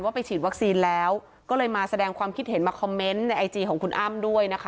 ไปฉีดวัคซีนแล้วก็เลยมาแสดงความคิดเห็นมาคอมเมนต์ในไอจีของคุณอ้ำด้วยนะคะ